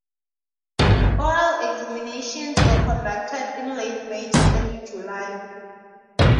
Oral examinations were conducted in late May to early July.